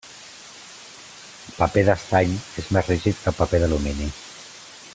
El paper d'estany és més rígid que el paper d'alumini.